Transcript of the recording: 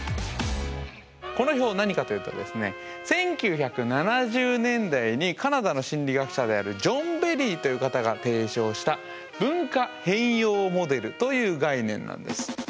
この表何かと言うとですね１９７０年代にカナダの心理学者であるジョン・ベリーという方が提唱した「文化変容モデル」という概念なんです。